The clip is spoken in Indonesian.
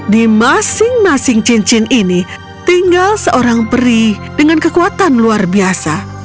di masing masing cincin ini tinggal seorang peri dengan kekuatan luar biasa